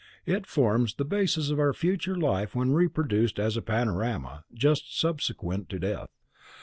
It forms the basis of our future life when reproduced as a panorama just subsequent to death.